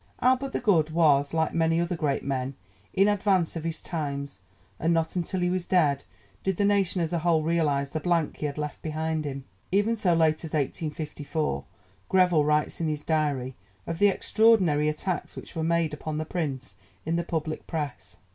'Albert the Good' was, like many other great men, in advance of his times, and not until he was dead did the nation as a whole realize the blank he had left behind him. Even so late as 1854 Greville writes in his Diary of the extraordinary attacks which were made upon the Prince in the public Press.